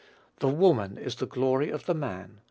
"The woman is the glory of the man."